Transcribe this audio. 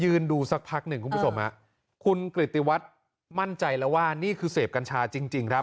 ดูสักพักหนึ่งคุณผู้ชมฮะคุณกริติวัฒน์มั่นใจแล้วว่านี่คือเสพกัญชาจริงจริงครับ